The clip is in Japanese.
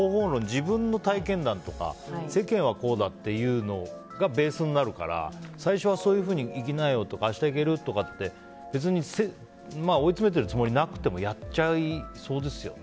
自分の体験談とか世間はこうだっていうのがベースになるから最初はそういうふうに行きなよとか明日行ける？とかって別に追い詰めてるつもりなくてもやっちゃいそうですよね。